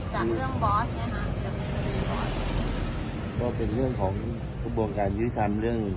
จากเรื่องบอสเนี้ยฮะก็เป็นเรื่องของกระบวนการยืนทำเรื่อง